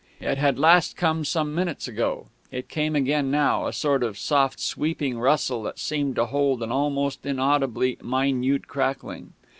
It had last come some minutes ago; it came again now a sort of soft sweeping rustle that seemed to hold an almost inaudibly minute crackling.